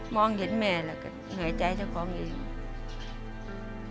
มองเห็นแม่แล้วก็เหนื่อยใจเจ้าของเอง